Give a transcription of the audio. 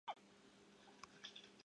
历官监察御史。